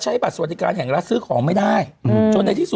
บัตรสวัสดิการแห่งรัฐซื้อของไม่ได้จนในที่สุด